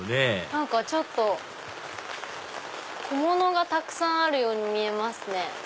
何かちょっと小物がたくさんあるように見えますね。